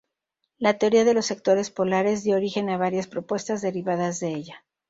La Teoría de los Sectores Polares dio origen a varias propuestas derivadas de ella.